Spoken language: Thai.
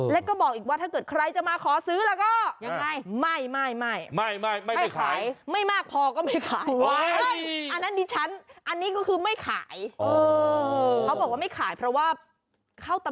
และก็บอกว่าเรื่องมาขอซื้อ